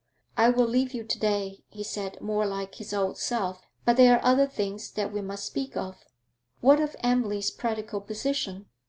'I will leave you to day,' he said, more like his old self. 'But there are other things that we must speak of. What of Emily's practical position?'